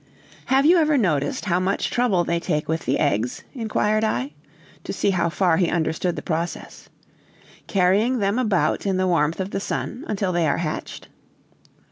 "Have you ever noticed how much trouble they take with the eggs?" inquired I, to see how far he understood the process; "carrying them about in the warmth of the sun until they are hatched?"